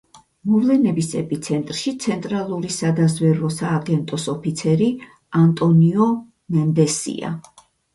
მოვლენების ეპიცენტრში ცენტრალური სადაზვერვო სააგენტოს ოფიცერი, ანტონიო მენდესია.